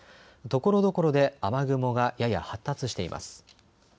ところどころで雨雲がやや発達しています。